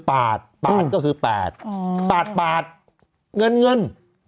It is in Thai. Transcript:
ปาดก็คือ๘ปาดเงิน